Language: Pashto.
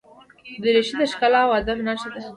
دریشي د ښکلا او ادب نښه ده.